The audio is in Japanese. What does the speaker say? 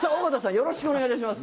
よろしくお願いします。